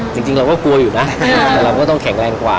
จริงเราก็กลัวอยู่นะแต่เราก็ต้องแข็งแรงกว่า